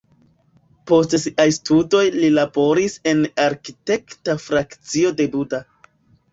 Post siaj studoj li laboris en arkitekta frakcio de Buda.